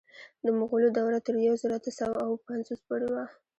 د مغولو دوره تر یو زر اته سوه اوه پنځوس پورې وه.